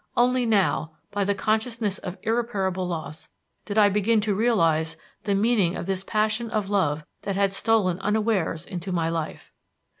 Only now, by the consciousness of irreparable loss, did I begin to realize the meaning of this passion of love that had stolen unawares into my life.